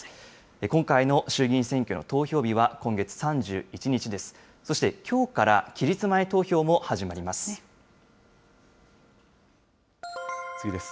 今回の衆議院選挙の投票日は今月３１日です。